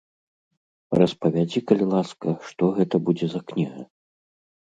Распавядзі, калі ласка, што гэта будзе за кніга?